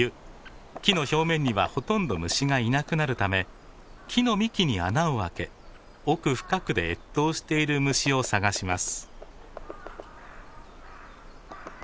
木の表面にはほとんど虫がいなくなるため木の幹に穴を開け奥深くで越冬している虫を探します。